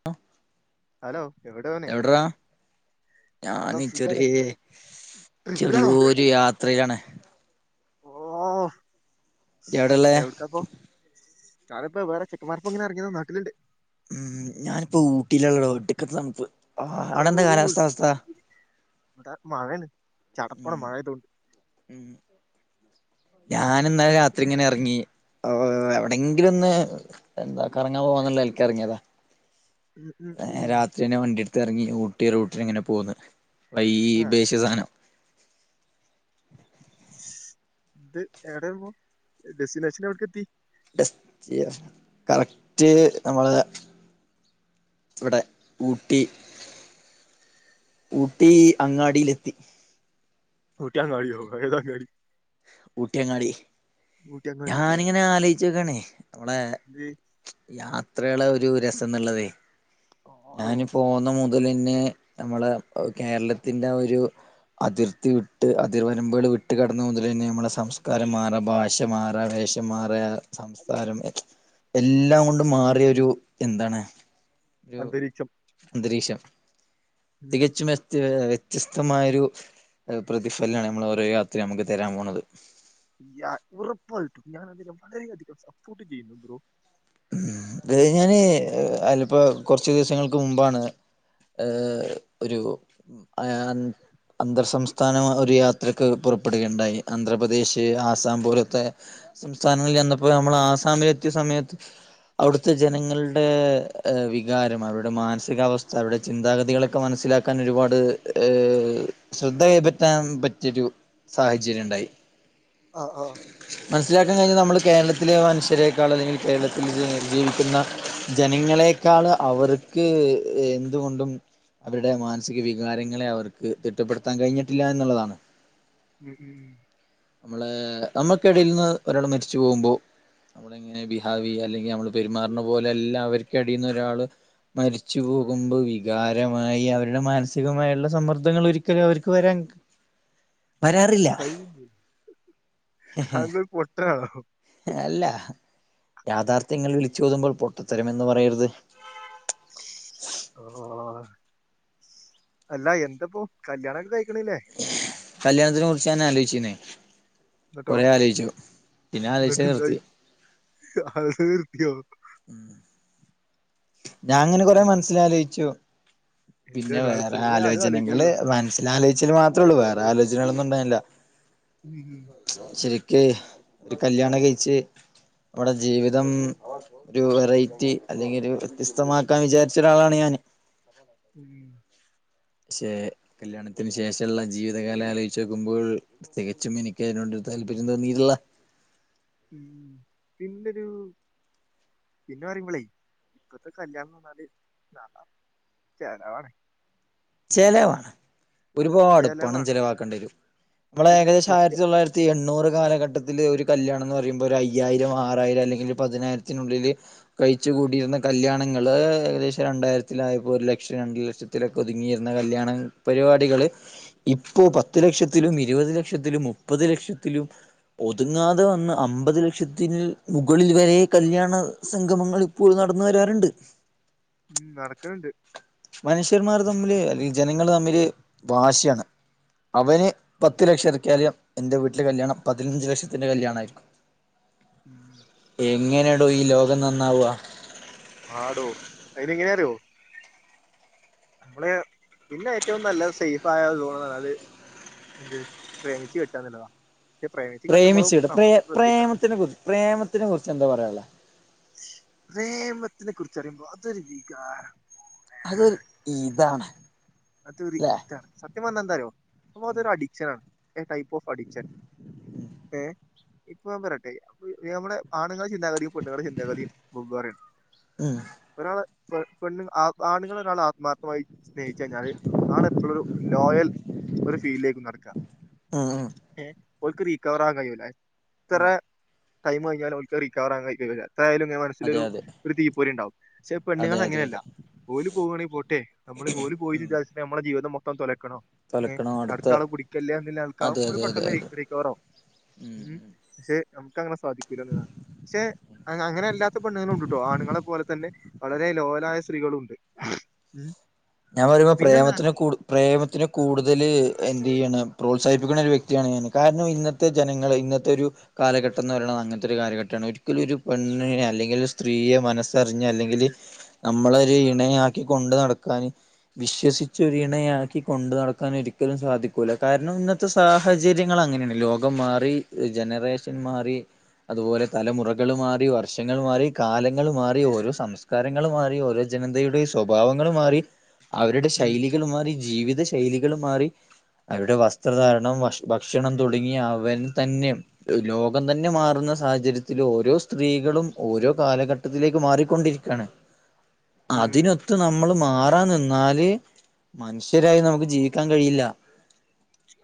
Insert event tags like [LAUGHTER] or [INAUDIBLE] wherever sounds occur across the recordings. [INAUDIBLE] Hello എവിടെ അവന്? എവിടെടാ ഞാന് ഇപ്പൊ ചെറിയെ ഇങ്ങനെ ട്രിപ്പിലാണോ ചെറിയോരു യാത്രയിലാണ് ഇയ്യ് എവിടെള്ളേ എവിടക്കാപ്പം ഞനിപ്പോ വേറെ ചെക്കമ്മാരൊപ്പം ഇങ്ങനെ എറങ്ങിയതാ നാട്ടിലിണ്ട് ഉം ഞാനിപ്പോ ഊട്ടിലാ ഇള്ളെടോ ഒടുക്കത്തെ തണുപ്പ് ആ അവിടെ എന്താ കാലാവസ്ഥ ഔസ് അവസ്ഥ ഇവിടെ മഴയാണ് ചടപ്പാണ് ഉം മഴ ആയോണ്ട് ഉം ഞാനിന്നെലെ രാത്രിങ്ങനെ എർ ങ്ങി ഏഹ് എവിടെങ്കിലൊന്ന് എന്താ കറങ്ങാ പോവാന്ന്ള്ളെലക്ക് എറങ്ങിയതാ ഉം ഉം ഉം പ്പിന് വണ്ടിയെടുത്ത് എറങ്ങി ഊട്ടി റൂട്ടിനിങ്ങനെ പോന്ന് വൈ ആ ബേശ് സാധനം ഇട്ട് എവിടെയാണ്പ്പോ ഡെസ്റ്റിനേഷൻ എവിടക്കെത്തി ഡസ്റ്റിയാ കറക്റ്റ് നമ്മളെ ഇവടെ ഊട്ടി ഊട്ടി അങ്ങാടിയിലെത്തി. കുട്ട്യാൻ കഴിയോ കഴ്കാൻ കേറി ഊട്ടിയങ്ങാടി ഊട്ടിയങ്ങാടി ഞാനിങ്ങനെ ആലോയ്ച്ചോക്കാണേ നമ്മളെ ഇത് യാത്രകളെ ഒരു രസംന്ന്ള്ളതേ ആളോ ഞാനും പോന്ന മുതല്ന്നെ നമ്മളെ കേരളത്തിന്റാ ഒരു അതിർത്തി വിട്ട് അതിർ വരമ്പ്കൾ വിട്ട് കടന്ന മുതലന്ന്യേം മ്മളെ സംസ്കാരം മാറാ ഭാഷ മാറാ വേഷം മാറ സംസ്കാരം എഹ് എല്ലാം കൊണ്ടും മാറ്യ ഒരു എന്താണ് രു അന്തരീക്ഷം ന്തരീക്ഷം ഉം. തികച്ചും വെസ്തികേ ച്യസ്തമായൊരു പ്രതിഫലാണ് നമ്മളെ ഓരോ യത്രിം അമുക്ക് തരാൻ പോണത് യാ ഉറപ്പായിട്ടും ഞാനതിനെ വളരെയധികം സപ്പോർട്ട് ചെയ്യുന്നു ബ്രോ ഉം അതായത് ഞാന് അലപ്പ കൊർച്ചൂസങ്ങൾക്ക് മുമ്പാണ് ഏഹ് ഒരു അയെഅൻ അന്തർ സംസ്ഥാന ഒഹ് ഒരു യാത്രക്ക് പുറപ്പെടുകയുണ്ടായി അന്ധ്രാപ്രദേശ് ആസാം പോലോത്തെ സംസ്ഥാനങ്ങളിൽ ചെന്നപ്പോ നമ്മള് ആസാമിലെത്തിയ സമയത്ത് അവ്ടുത്തെ ജനങ്ങൾടെ വികാരം അവരുടെ മാനസികാവസ്ഥ അവരുടെ ചിന്താഗതികളക്കെ മനസ്സിലാ ക്കാനൊരുപാട് ഏഹ് ശ്രദ്ധ കൈപറ്റാൻ പറ്റിയരു സാഹചര്യണ്ടായി ആഹ് ആഹ് മനസ്സിലാക്കാ കഴിഞ്ഞതു നമ്മൾ കേരളത്തിലെ മനുഷ്യരെക്കാൾ അല്ലെങ്കിൽ കേരളത്തിൽ ജീ ജീവിക്കുന്ന ജനങ്ങളെക്കാള് അവർക്ക് എന്തുകൊണ്ടും അവരുടെ മാൻസിക വികാരങ്ങളെ അവർക്ക് തിട്ടപ്പെട്ത്താൻ കഴിഞ്ഞിട്ടില്ലാന്ന്ള്ളതാണ് ഉം ഉം അമ്മളെ നമ്മക്കേടെൽന്ന് ഒരാൾ മരിച്ചു പോകുമ്പോ അമ്മളെങ്ങനെ ബിഹാവിയ്യ അല്ലെങ്കി അമ്മള് പെരുമാറ്ന്ന പോലെല്ലാ വര്ക്കെടീന്നു ഒരാള് മരിച്ചു പോകുമ്പോ വികാരമായി അവരുടെ മാനസികമായുള്ള സമ്മർദ്ദങ്ങൾ ഒരിക്കലവർക്ക് വരാൻ വരാറില്ല ഹഅന്താ പൊട്ടനാണോ എല്ല യാഥാർത്ഥ്യങ്ങൾ വിളിച്ചോതുമ്പോൾ പൊട്ടത്തരമെന്ന് പറയരുത് [UNINTELLIGIBLE] അല്ലാ എന്തപ്പോ കല്യാണക്കെ കയ്ക്ക്ണില്ലേ കല്യാണത്തിനെ കുർച്ച് ഞാലോചീന്നൊയ് എന്നിട്ടോ കൊറെ ആലോയ്ച്ചു പിന്നെ ആലോയ്ച്ചൽ നിർത്തി ഹ ഹ് ർത്യോ ഉം ഞാങ്ങനെ കൊറെ എന്ത് മനസ് ലാലോയ്ച്ചു എന്റെ പിന്നെ വേറെ മനസ്സിലെന്ത് ആരും ആലോചനകള് ആലോചിക്കലല്ലോ വ ല്ലാലോയ്ച്ചൽ മാത്രള്ളൂ വേറെ ആലോചനകളൊന്നും ണ്ടാൻല്ല ഉം ഉം ശെരിക്ക് ഒരു കല്യാണം കയ്ച്ച് ഓളെ ജീവിതം രു വെറൈറ്റി അല്ലെങ്കില് വിസ്തമാക്കാൻ വിജാര്ച്ചരാളാണ് ഞാൻ ഉം പക്ഷെ കല്യാണത്തിന് ശേഷള്ള ജീവിതകാലാലോയ് ച്ചഗുമ്പോൾ തികച്ചും എനിക്ക് അയ്നൊട് താല്പരര്യം തോന്നീള്ള ഉം പിന്നരൂ പിന്നെ പറയുമ്പളെയ് ഇപ്പത്തെ കല്യാണംന്ന് പർഞ്ഞാല് നാണ ചെലവാണ് ഉം ചിലവാണ്. ഒരുപാട് പണം ചെലവാണ് ചിലവാക്കേണ്ടി വരും. നമ്മള പിന്നെ ഏകദേശം കുട്ടി ആയിരത്തി തൊള്ളായിരത്തി എണ്ണൂറ് കാലഘട്ടത്തിൽ ഒരു കല്യാണം എന്ന് പറയുമ്പോൾ, ഒരു അയ്യായിരം ആറായിരം അല്ലെങ്കിൽ പതിനായിരത്തിനുള്ളിൽ. കഴിച്ച കൂടിയിരുന്ന കല്യാണങ്ങൾ ഏകദേശം രണ്ടായിരത്തിലായപ്പോ ഒരു ലക്ഷം രണ്ട് ലക്ഷത്തിലൊക്കെ. ഒതുങ്ങിയിരുന്ന കല്യാണ പരിപാടികള്. ഇപ്പോ, പത് ലക്ഷത്തിലും ഇരുപത് ലക്ഷത്തിലും മുപ്പത് ലക്ഷത്തിലും. ഒതുങ്ങാതെ വന്ന്, അമ്പത് ലക്ഷത്തിന് മുകളിൽ വരെ കല്യാണ സംഗമങ്ങൾ. ഇപ്പോൾ നടന്ന് വരാറുണ്ട്. നടക്കണ് ണ്ട് മനുഷ്യന്മാര് തമ്മില് അല്ലെങ്കിൽ ജനങ്ങള് തമ്മില് വാശിയാണ്. അവന് പത്ത് ലക്ഷം എറക്കിയാലും എൻ്റെ വീട്ടില് കല്യാണം പതിനഞ്ച് ലക്ഷത്തിന്റെറെ കല്യാണമായിരിക്കും. [INAUDIBLE] എങ്ങനെയാടോ ഈ ലോകം നന്നാവാ. ആടോ, അയിന് എങ്ങനെ അറിയോ? നമ്മള് പിന്നെ ഏറ്റവും നല്ല സേഫ ആയ സോൺന്ന് പറഞ്ഞല്. എന്ത്, പ്രേമിച്ച് കെട്ടാന്ന് ല്ലതോ? പ്രേമിച്ചുവിടേ, പ്രേ ശ്രദ്ധിക്കണം പ്രേമത്തിനെ കുറിച്ച് പ്രേമത്തിനെ കുറിച്ച് എന്താ പറയുള്ള. പ്രേമത്തിനെ കുറിച്ച് പറയുമ്പോൾ അതൊരു വികാര. അതൊരു ഈതാണ്. അതൊരു ഇതാണ് സത്യം പറഞ്ഞാൽ എന്താ അറിയോ? നമ്മൾ അതൊരു അഡിക്ഷൻ ആണ്. A type of addiction. ഏഹ, ഇപ്പൊ ഞൻ പറട്ടെ. നമ്മുടെ ആണുങ്ങൾടെ ചിന്താഗതിയും. പണ്ണുങ്ങളുടെ ചിന്താഗതിയും വെവ്വേറെ ഉം യാണ്. ഒരാൾ പെൺ പെണ് ആണുങ്ങൾ ഒരാൾ ആത്മാർത്ഥമായി. ച്ച കഴിഞ്ഞാല്. ആള എപ്പോയും ഒരു ലോയൽ ഒരു ഫീലിലേക്ക് നടക്കുക. ഉം ഉം ഏ ഓൽക്ക് റീക്കവർ ആവാൻ കഴിയില്ല. എത്ര ടൈം കഴിഞ്ഞാലും ഓൽക്ക് അത് റിക്കവർ ആകാൻ കഴിയില്ല. എതായാലും ഇങ്ങനെ മനസ്സിൽ അതെ ഒരു, അതെ ഒരു തീ പോരി ഉണ്ടാവും. പക്ഷെ അതെ പെണ്ണുൾ അതെ അങ്ങനെയല്ല. അതെ ഓല് പോകുകയാണെങ്കിൽ പോട്ടെ നമ്മള് ഓല പോയിന്ന് വിച നമ്മുടെ ജീതം മൊത്തം തലയ്ക്കണോ? ഏ അടുത്ത ആളെ പിടികല്ലോ, എന്ന് അതെ ള്ളനിലക്ക് അതെ അതെ പെട്ടെന്ന് അതെ റീക്കവറകും. ഉം പക്ഷെ നമുക്ക് അങ്ങനെ സാധിക്കൂല എന്നതാണ്. പക്ഷെ അങ്ങനെ അല്ലാത്ത പെണ്ണങ്ങൾ ഉണ്ട് കട്ടോ ആണുങ്ങളെ പോലെ തന്നെ. വളരെ ലോലായ സ്ത്രീകളുണ്ട്. ഉം ഞാൻ പറയുമ്പോൾ പ്രേമത്തിന് പിന്നെന്താന്നോ കൂട് പ്രേമത്തിന് കൂടുതൽ എന്ത് ചെയ്യാണ് പ്രോത്സാഹിപ്പിക്കുന്ന ഒരു വ്യക്തിയാണ് ഞാൻ, കാരണം ഇന്നത്തെ ഇത്തെ ജനങ്ങൾ ഇന്നത്തെ ഒരു. കാലഘട്ടം എന്ന് പറയണത് അങ്ങനത്തെ ഒരു കാലഘട്ടമാണ്. ഒരിക്കലും ഒരു പെണ്ണിനെ അല്ലെങ്കിൽ സ്ത്രീയെ മനസ്സറിഞ്ഞ് അല്ലെങ്കില്. നമ്മളൊരു ഇണയാക്കി കൊണ്ട് നടക്കാന്. വിശ്വസിച്ചൊരു ഇണയാക്കി കൊണ്ടു നടക്കാൻ ഒരിക്കലും സാധിക്കൂല. കാരണം ഇന്നത്തെ. സാഹചര്യങ്ങൾ അങ്ങനെയാണ്. ലോകം മാറി ജനറേഷൻ മാറി. അതുപോലെ തലമുറകൾ മാറി. വർഷങ്ങൾ മാറി, കാലങ്ങൾ മാറി, ഓരോ സംസ് രങ്ങള് മാറി, ഓരോ ജനതയുടെ സ്വഭാവങ്ങൾ മാറി, അവരുടെ ഉം ശൈലികൾ മാറി, ജീവിത ശ ശൈലികൾ മാറി, അവരുടെ വസ്ത്രധാരണം ഭക്ഷണം തുടങ്ങി അവൻ തന്നെ. ലോകം തന്നെ മാറുന്ന സാഹചര്യത്തിൽ ഓരോ സ്ത്രീകളും ഓരോ കാലഘട്ടത്തിലേക്ക് മാറിക്കൊണ്ടിരിക്കയാണ്. ഉം അതിനൊത്ത് നമ്മ മ്മള് മാറാൻ നിന്നാല്, മനുഷ്യരായി നമുക്ക് ജീവിക്കാൻ കഴിയില്ല,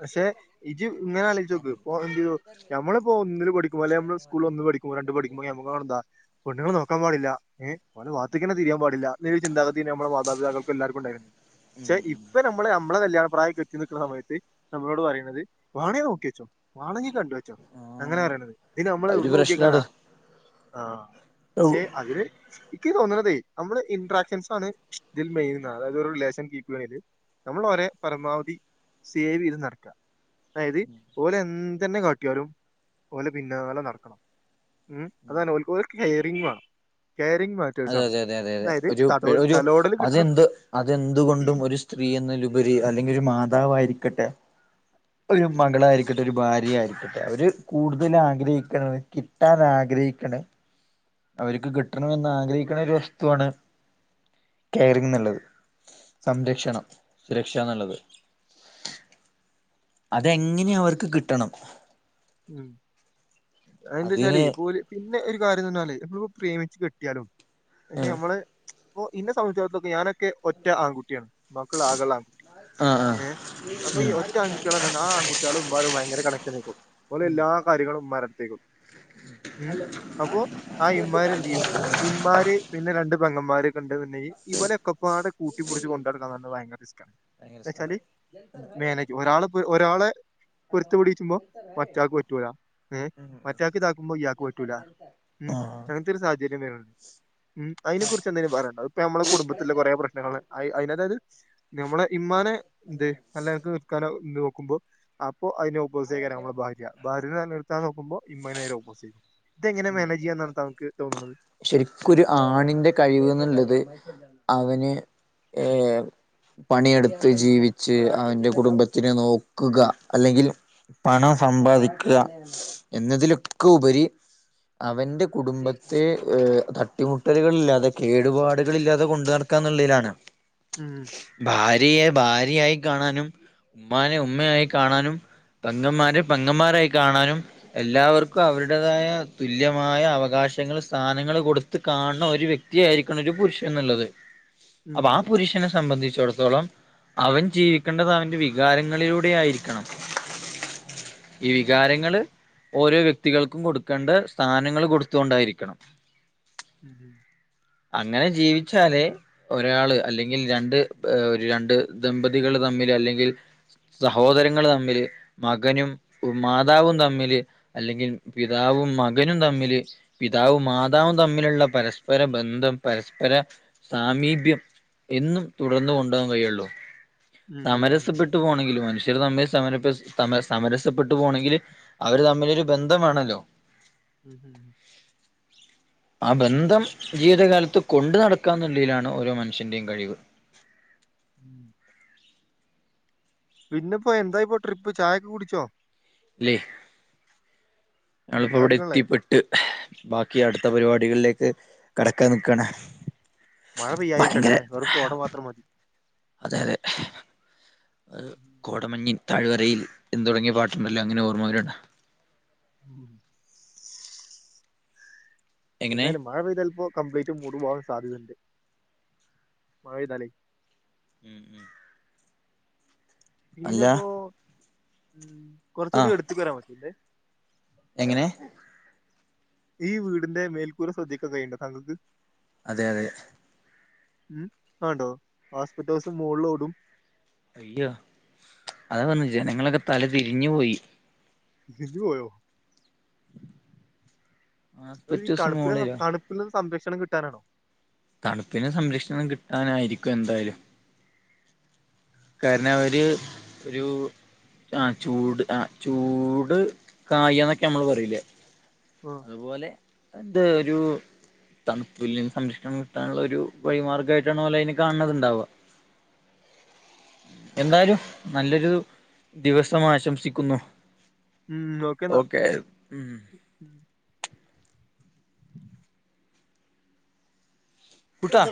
പക്ഷെ ഇജ്, ഇങ്ങനെ ആലോയ്ച്ചോക്ക് ഇപ്പൊ എന്ത്‌ ചെയ്തു. നമ്മളിപ്പോ ഒന്നില് പഠിക്കോ അല്ലങ്ക നമ്മ സ്കൂള് ഒന്ന് പഠിക്കും രണ്ട് പഠിക്കുമ്പോ നമ്മ കാണന്താ, പെണ്ണുങ്ങളെ നോക്കാൻ പാടില്ല ഏഹ്, അവലെ ഭാഗത്തെക്കെന്നെ തിരിയാൻ പാടില്ല എന്നൊരു ചിന്താഗതി നമ്മളെ മാതാപിതാക്കൾക്ക്‌ എല്ലാർക്കും ഉണ്ടായിരുന്നു, ഉം ക്ഷെ ഉം ഇപ്പൊ നമ്മള് നമ്മളെ കല്യാണ പ്രായം എത്തി നിക്കണ സമയത്ത്, നമ്മളോട് പറയുന്നത് വാണെ നോക്കി വെച്ചോ വാണെങ്കി കണ്ടു വെ ച്ചോ അങ്ങനെ ആഹ് പറയണത് ഇത് നമ്മള് ഒരു എവിടുന്ന് നോക്കിയക്കാനാ, പ്രശ്നാണ് ആഹ് ക്ഷെ അതില്, എനിക്ക് തോന്നണതേ നമ്മുടെ ഇന്റ്രാക്ഷൻസാണ് ഇതിൽ മെയിൻന്നാ അതായത് ഒരു റിലേഷൻ കീപ്പ് ചെയ്യണേല് നമ്മൾ ഒരെ പരമാവധി സേവ് ചെയത് നടക്കാ അതായത്, ഓലെന്തന്നെ കാട്ടിയാലും ഓലെ പിന്നാലെ നടക്കണം ഉം അതാണ് ഓൽ ഓൽ കെയറിംഗ് മാണം കെയറിംഗ് മാ അതെ അതെ അതെ അതെ അതെ ഒരു ഒരു കിട്ടണം അതെന്ത് അതെന്തുകൊണ്ടും ഒരു സ് സ്ത്രീ എന്നലുപരി അല്ലെങ്കിൽ ഒരു മാതാവായിരിക്കട്ടെ ഒരു ഉം മകളായിരി ക്കട്ടെ ഒരു ഭാര്യായിരിക്കട്ടെ അവര് കൂടുതൽ ആഗ്രഹിക്കണെ കിട്ടാൻ ആഗ്രഹിക്കണെ, അവര്ക്ക് കിട്ടണമെന്ന് ആഗ്രഹിക്കണ ഒരു വസ്തുവാണ് കെയറിങ് എന്നുള്ളത്, സംരക്ഷണം സുരക്ഷ എന്നുള്ളത്. അതെങ്ങനേം അവർക്ക് കിട്ടണം. ഉം അത് ന്തെച്ചാലേ അതിന് പ്പോല് പിന്നെ ഒരു കാര്യം എന്ന് പറഞ്ഞാല് എപ്പഴോ പ്രേമിച്ച് കെട്ടിയാലും പക്ഷെ ആഹ് നമ്മള്, അപ്പൊ ഇന്നെ സംബന്ധിച്ചിടത്തോക്കെ ഞാനൊക്കെ ഒറ്റ ആൺകുട്ടിയാണ്, മ്മാക്ക്ള്ളെ ആകെള്ളാൻകുട്ടി ആഹ് ഏഹ് അപ്പൊ ഈ ഒ ഒറ്റ ആൺകുട്ടികളന്നർഞ്ഞ ആ ആൺകുട്ടികളും മ്മാരും ഭയങ്കര കണക്ഷനായ്ക്കും ഓലെ എല്ലാ കാര്ങ്ങളും മ്മാടുത്തേയ്ക്കും, ഉം അപ്പോ ആ ഇമ്മാര് എന്തെയ്യും ഇമ്മാര്, പിന്നെ രണ്ട് പെങ്ങൻമാരൊക്കെണ്ട്ന്ണ്ടെങ്കി ഇവരൊക്കെ പാട് കൂട്ടി പിടിച്ച് കൊണ്ട നടക്കാന്ന് പർഞ്ഞാ ഭയങ്കരറിസ്ക്കാണ്, എന്നച്ചാല് ആഹ് മാനേജ് ഒരാള് ഒരാളെ പൊരുത്ത് പിടിച്ചുമ്പോ, മറ്റാൾക്ക് പറ്റൂല ഏഹ് ഉം മറ്റാക്ക് താക്കുമ്പോ ഇയാൾക്ക് പറ്റൂല ഉം ആഹ് ത്തോരു സാഹചര്യം വരുന്നുണ്ട് ഉം അതിനെ കുുറിച്ച് എന്തേലും പറയാണ്ടോ? ഇപ്പ നമ്മളെ കുടുംബത്തിലെ കുറെ പ്രശ്നങ്ങള് അയ്ന അതായത് നമ്മളെ ഇമ്മാനെ എന്ത് നല്ല നെലക്ക് നി ർത്താനെ നോക്കുമ്പോ അപ്പോ അതിനെ ഓപ്പോസിയ്ക്കരം നമ്മള്, ഭാര്യ, ഭാര്യനെ നേരനിർത്താൻ നോക്കുമ്പോ ഇമ്മ നേരെ ഓപ്പോസിറ്റ് ഇതെങ്ങന മാനേജ് ചെയ്യാന്നാണ് താങ്കൾക്ക് തോന്നുന്നത്, ശെരിക്കൊരു ആണിന്റെ കഴിവ് എന്നുള്ളത് അവന് ഏ പണിയെടുത്ത് ജീവിച്ച് അവന്റെ കുടുംബത്തിനെ നോക്കുക അല്ലെങ്കിൽ, പണം സമ്പാദിക്കുക, എന്നതിലൊക്കെ ഉപരി, അവന്റെ കുടുംബത്തെ തട്ടിമുട്ടലുകളില്ലാതെ കേടുപാടുകളില്ലാതെ കൊണ്ടു നട ക്കന്നുള്ളയ്ലാണ്, ഉം ഭാര്യയെ ഭാര്യയായി കാണാനും, ഉമ്മാനെ ഉമ്മയായി കാണാനും പെങ്ങന്മാരെ പെങ്ങൻമാരായി കാണാനും, എല്ലാവർക്കും അവരുടേതായ തുല്യമായ അവകാശങ്ങൾ സ്ഥാനങ്ങൾ കൊടുത്ത് കാണുന്ന ഒരു വ്യ ക്തിയായിരിക്കണം ഒരു പുരുഷൻ എന്നുള്ളത് ഉം അപ്പൊ ആ പുരുഷനെ സംബന്ധിച്ചിടത്തോളം, അവൻ ജീവിക്കേണ്ടത് അവന്റെ വികാരങ്ങളിലൂടെ ആയിരിക്കണം, ഉം ഈ വികാരങ്ങള്, ഓരോ വ്യക്തികൾക്കും കൊടുക്കേണ്ട സ്ഥാനങ്ങൾ കൊടുത്ത് കൊണ്ടായിരിക്കണം, ഉം ഉം അങ്ങനെ ജീവിച്ചാലെ, ഒരാള് അല്ലെങ്കിൽ രണ്ട് ഏ രണ്ട് ദമ്പതികൾ തമ്മില് അല്ലെങ്കിൽ, സഹോദരങ്ങള് തമ്മില് മകനും ഉ മാതാവും തമ്മില്. അല്ലെങ്കി പിതാവും മകനും തമ്മില്. പിതാവും മാതാവും തമ്മിലുള്ള പരസ്പര ബന്ധം പരസ്പര സാമീപ്യം. എന്നും തുടർന്ന് കൊണ്ടുപോകാൻ കഴിയുള്ളൂ ഉം ഉം സമരസപ്പെട്ടു പോണെങ്കില് മനുഷ്യര് തമ്മിൽ. സമരപ്സ് സമര സമരസപ്പെട്ടു പോണെങ്കിൽ അവര് തമ്മിലൊരു ബന്ധം വേണോല്ലോ. ഉം. [UNINTELLIGIBLE] ആ ബന്ധം ജീവിതകാലത്ത് കൊണ്ടു നടക്കാന്ന് ള്ളയിലാണ് ഓരോ മനുഷ്യന്റെയും കഴിവ്. [INAUDIBLE] പിന്നെപ്പോ എന്തായിപ്പോ ട്രിപ്പ് ചായക്കെ കുടിച്ചോ? അല്ലേ ഞളിപ്പോ എന്താ ഇവിടെ അടിക്കണല്ലേ എത്തിപ്പെട്ട് ട്ട് ബാക്കി അടുത്ത പരിപാടികളിലേക്ക് കടക്കാൻ നിക്കാണ്. മഴ പെയ്യായിരിക്കട്ടെ ഭയങ്കര അല്ലെ [UNINTELLIGIBLE] കോട മാത്രം മതി. അതെ അതെ അ ഉം, കോടമഞ്ഞിൻ. താഴ് വരയിൽ എന്ന്തുടങ്ങിയ പാട്ടുണ്ടല്ലോ അങ്ങനെ ഓർമ്മവര്ആണ്. [INAUDIBLE] എങ്ങനെ എന്തായാലും മഴ പെയ്താൽ ഇപ്പോ കംപ്ലീറ്റും മൂട് പോവാൻ സാധ്യതുണ്ട് മഴ പെയ്താലേ. ഉം, ഉം പിന്നെപ്പോ ഉം ആ കൊറച്ചൂടി അടുത്തേക്ക് വരാൻ പറ്റില്ലേ. എങ്ങനെ. ഈ വീടിന്റെ മേൽക്കൂര ശ്രദ്ധിക്കാൻ കഴിയുണ്ടോ താങ്കൾക്ക്. അതെ, അതെ. ഉം ആണ്ടോ ആസ്പെറ്റോസ് മുകളിലോടും. അയ്യോ അതാ പറഞ്ഞെ ജനങ്ങളൊക്കെ തല തിരിഞ്ഞു പോയി. തിരിഞ്ഞു പോയോ. അതോ ഈ ആസ്പെറ്റോസ് തണുപ്പി മോളിലോ തണുപ്പിൽ നിന്ന് സംരക്ഷണം കിട്ടാനാണോ? തണുപ്പിന് സംരക്ഷണം കിട്ടാനായിരിക്കും എന്തായാലും. കാരണം അവര് ഒരു. ആ ചൂട് ആ ചൂട് കായ എന്നൊക്കെ നമ്മള് പറയില്ലെ. ആഹ്. അതുപോലെ എന്ത് ഒരു തണുപ്പില്ന്ന് സംരക്ഷണം കിട്ടാനുള്ള ഒരു വഴിമാർഗായിട്ടാണ് ഓല് അതിനെ കാണണതുണ്ടാവുക. [INAUDIBLE] എന്താലും നല്ലൊരു ദിവസം ആശംസിക്കുന്നു. ഉം ഓക്കെന്നാ. ഓക്കെ ഉം കുട്ടാ.